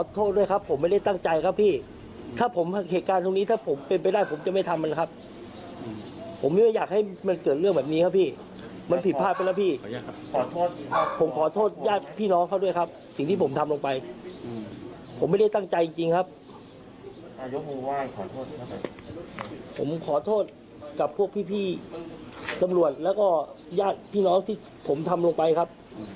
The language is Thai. ที่ทำให้เกิดเรื่องแบบนี้ครับผมขอโทษด้วยครับ